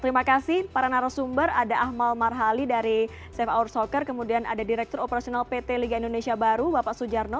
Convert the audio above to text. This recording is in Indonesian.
terima kasih para narasumber ada akmal marhali dari safe hour soccer kemudian ada direktur operasional pt liga indonesia baru bapak sujarno